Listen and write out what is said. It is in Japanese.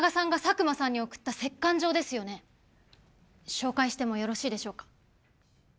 紹介してもよろしいでしょうか？